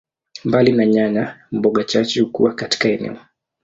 Mbali na nyanya, mboga chache hukua katika eneo.